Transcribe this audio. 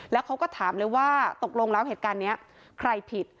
แล้วเขาก็ถามเลยว่าตกลงแล้วเหตุการณ์นี้ใครผิด